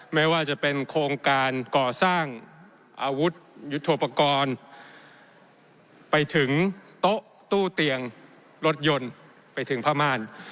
ไม่ว่าจะเป็นโครงการก่อสร้างอาวุธยุทธโปรกรณ์ไปถึงโต๊ะตู้เตียงรถยนต์ไปถึงพม่าน